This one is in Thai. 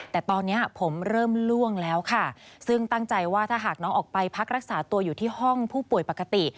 แต่ตอนนี้ผมเริ่มล่วงแล้วค่ะซึ่งตั้งใจว่าถ้าหากน้องออกไปพักรักษาตัวอยู่ที่ห้องผู้ป่วยปกติ